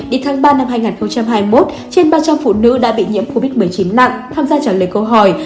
đến tháng ba năm hai nghìn hai mươi một trên ba trăm linh phụ nữ đã bị nhiễm covid một mươi chín nặng tham gia trả lời câu hỏi